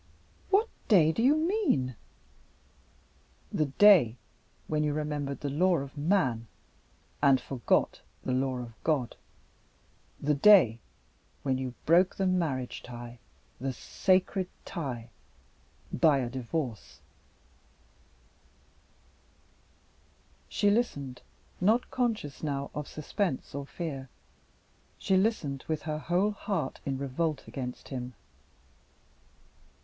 "What day do you mean?" "The day when you remembered the law of man, and forgot the law of God; the day when you broke the marriage tie, the sacred tie, by a Divorce!" She listened not conscious now of suspense or fear; she listened, with her whole heart in revolt against him.